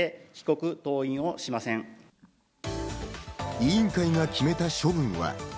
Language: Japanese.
委員会が決めた処分は。